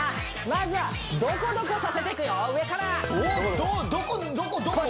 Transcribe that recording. まずはどこどこさせてくよ上からどこ？